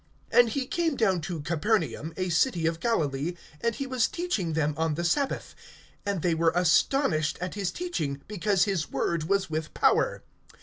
(31)And he came down to Capernaum, a city of Galilee. And he was teaching them on the sabbath; (32)and they were astonished at his teaching, because his word was with power.